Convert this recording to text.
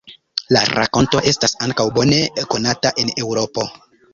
La rakonto estas ankaŭ bone konata en Eŭropo.